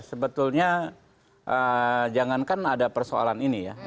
sebetulnya jangankan ada persoalan ini ya